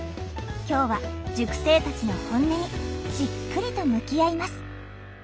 今日は塾生たちの本音にじっくりと向き合います。